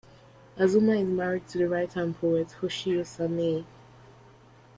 Azuma is married to the writer and poet Hoshio Sanae.